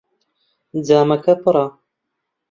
جامەکە پڕە.